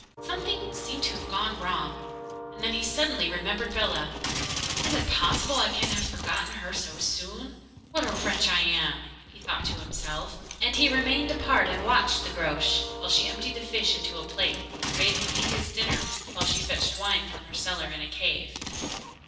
Something seemed to have gone wrong, and then he suddenly remembered Bellah. 'Is it possible I can have forgotten her so soon? What a wretch I am!' he thought to himself; and he remained apart and watched the Groac'h while she emptied the fish into a plate, and bade him eat his dinner while she fetched wine from her cellar in a cave.